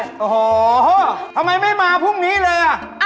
โอ้โหทำไมไม่มาพรุ่งนี้เลยอ่ะ